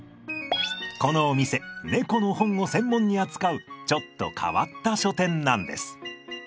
このお店猫の本を専門に扱うちょっと変わった書店なんです。